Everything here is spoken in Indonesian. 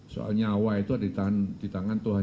soalnya awal itu ditahan di tangan tuhan